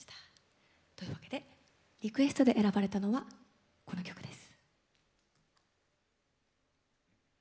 というわけでリクエストで選ばれたのはこの曲です。